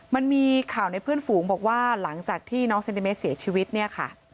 มันมีข่าวในเพื่อนฝูงบอกว่าหลังจากที่น้องเซนติเมตรเสียชีวิตเนี่ยค่ะ